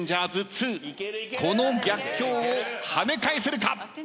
２この逆境をはね返せるか！？